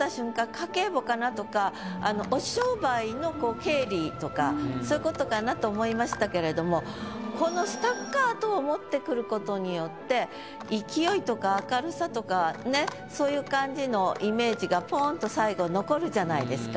家計簿かなとかとかそういうことかなと思いましたけれどもこの「スタッカート」を持ってくることによってそういう感じのイメージがポンと最後残るじゃないですか。